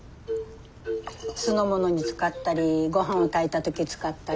酢のものに使ったりごはんを炊いた時使ったり。